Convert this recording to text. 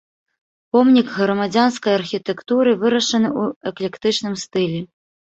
Помнік грамадзянскай архітэктуры, вырашаны ў эклектычным стылі.